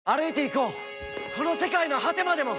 この世界の果てまでも！